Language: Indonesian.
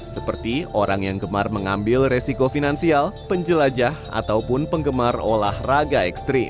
seperti orang yang gemar mengambil resiko finansial penjelajah ataupun penggemar olahraga ekstrim